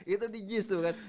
itu di jis tuh kan